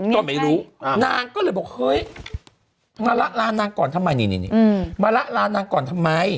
ก็ไม่รู้นางก็เลยบอกเฮ้ยมาละลานนางก่อนทำไมนี่มาละลานนางก่อนทำไม